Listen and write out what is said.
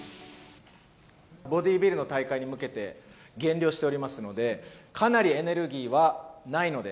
ボディービルの大会に向けて、減量しておりますので、かなりエネルギーはないので。